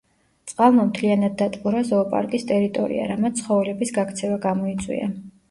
წყალმა მთლიანად დატბორა ზოოპარკის ტერიტორია, რამაც ცხოველების გაქცევა გამოიწვია.